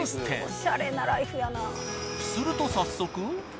［すると早速］